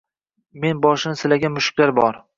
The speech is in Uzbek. Men boshini silagan mushuklar bor